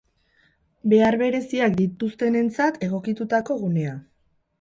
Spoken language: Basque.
Behar bereziak dituztenentzat egokitutako gunea.